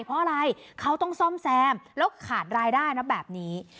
เพราะอะไรเขาต้องซ่อมแซมแล้วขาดรายได้นะแบบนี้